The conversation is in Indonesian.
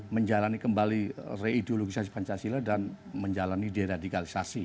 menjalani kembali reideologisasi pancasila dan menjalani deradikalisasi